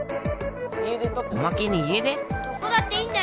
おまけに家出？